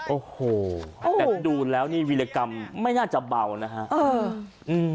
โอ้โหแต่ดูแล้วนี่วิรกรรมไม่น่าจะเบานะฮะ